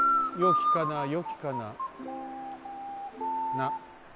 よきかなよきかなな。